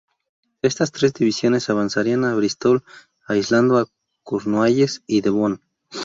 Estas tres divisiones avanzarían hacia Brístol, aislando a Cornualles y Devon.